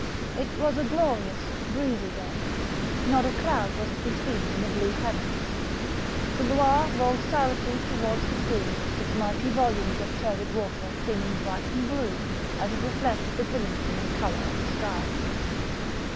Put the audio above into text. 233 It was a glorious, breezy day, not a cloud was to be seen in the blue heavens ; the Loire rolled silently to wards the sea its mighty volumes of turbid water, seeming bright and blue as it reflected the brilliancy and colour of the sky.